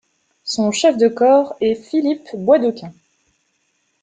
Son chef de corps est Philippe Boisdequin.